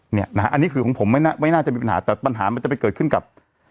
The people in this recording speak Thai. เนี่ยนะฮะอันนี้คือของผมไม่น่าจะมีปัญหาแต่ปัญหามันจะไปเกิดขึ้นกับ